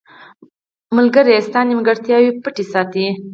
• ملګری ستا نیمګړتیاوې پټې ساتي.